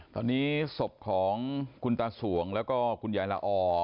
ตอนนี้ศพของคุณตาสวงแล้วก็คุณยายละอ